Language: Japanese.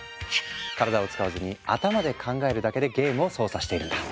体を使わずに頭で考えるだけでゲームを操作しているんだ。